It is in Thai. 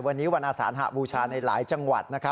วันนี้วันอาสานหบูชาในหลายจังหวัด